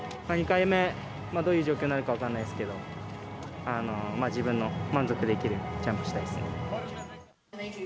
２回目、どういう状況になるか分からないですけど、自分の満足できるジャンプしたいですね。